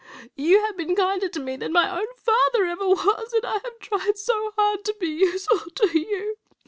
"You have been kinder to me than my own father ever was, and I have tried so hard to be useful to you.